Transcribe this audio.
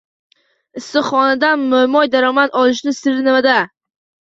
Issiqxonadan mo‘may daromad olishning siri nimada?